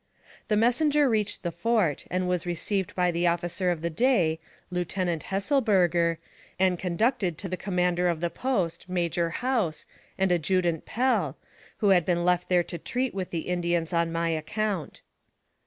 The messenger reached the fort, and was received by the officer of the day, Lieutenant Hesselberger, and conducted to the commander of the post, Major House, and Adjutant Pell, who had been left there to treat with the Indians on my account.